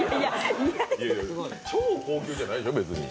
超高級じゃないよ、別に。